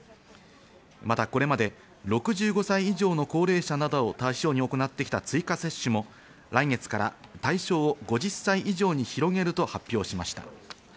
また、これまで６５歳以上の高齢者などを対象に行ってきた追加接種も来月から対象を５０歳以上に広げると発表しました。